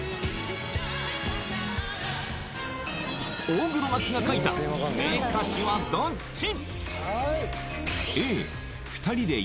大黒摩季が書いた名歌詞はどっち？